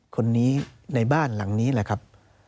คนนี้ในบ้านหลังนี้แหละครับ